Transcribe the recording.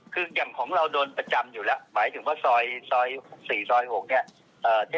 คืออย่างของเราโดนประจำอยู่แล้วหมายถึงว่าซอย๔ซอย๖เนี่ย